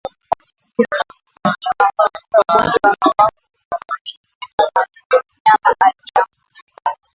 Kirusi kinachoambukiza ugonjwa wa mapafu hubebwa kwenye hewa ya mnyama aliyeambukizwa